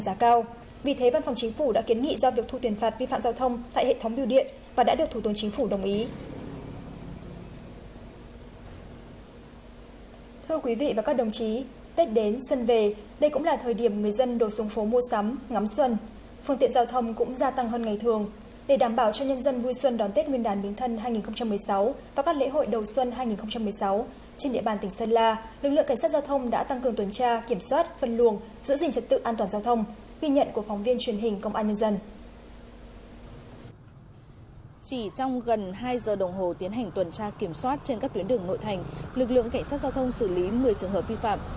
chỉ trong gần hai giờ đồng hồ tiến hành tuần tra kiểm soát trên các tuyến đường nội thành lực lượng cảnh sát giao thông xử lý một mươi trường hợp vi phạm